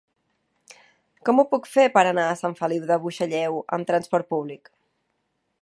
Com ho puc fer per anar a Sant Feliu de Buixalleu amb trasport públic?